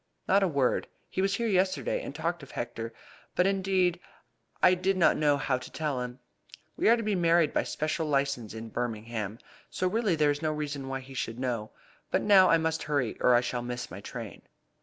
"Not a word. He was here yesterday, and talked of Hector, but indeed I did not know how to tell him. We are to be married by special licence in Birmingham, so really there is no reason why he should know. But now I must hurry or I shall miss my train."